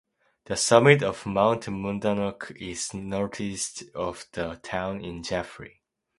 The summit of Mount Monadnock is northeast of the town in Jaffrey.